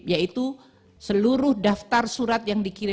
yaitu seluruh daftar surat yang kedua ini